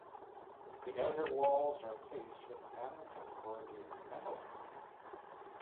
The outer walls are faced with panels of corrugated metal.